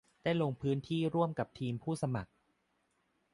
ได้ลงพื้นที่ร่วมกับทีมผู้สมัคร